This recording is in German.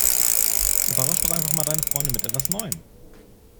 Überrasch' doch einfach mal deine Freunde mit etwas Neuem!